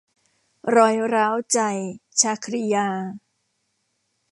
รอยร้าวใจ - ชาครียา